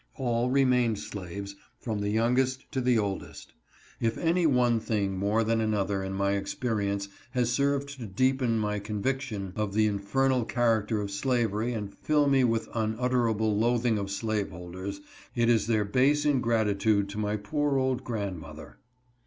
All remained slaves, from the youngest to the oldest. If any one thing more than another in my experience has served to deeper my conviction of the infernal character of slavery and fill me with unutterable loathing of slaveholders, it is theii base ingratitude to my poor old grandmother.